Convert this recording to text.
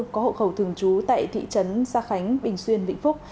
có hộ khẩu thường trú tại thị trấn xa khánh bình xuyên vĩnh phúc